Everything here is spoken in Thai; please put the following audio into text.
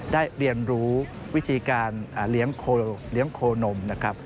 ได้เรียนรู้วิธีการเลี้ยงโคนมนะครับ